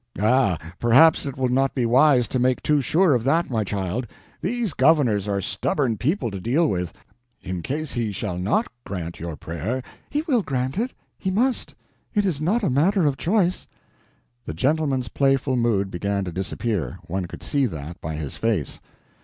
"Ah, perhaps it will not be wise to make too sure of that, my child. These governors are stubborn people to deal with. In case he shall not grant your prayer—" "He will grant it. He must. It is not a matter of choice." The gentleman's playful mood began to disappear—one could see that, by his face.